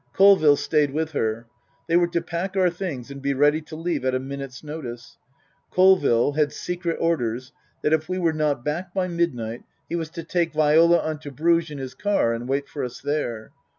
Colville stayed with her. They were to pack our things and be ready to leave at a minute's notice. Colville had secret orders that, if we were not back by midnight, he was to take Viola on to Bruges in his car, and wait for us there.